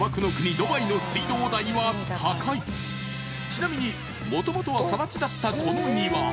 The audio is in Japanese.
［ちなみにもともとはさら地だったこの庭］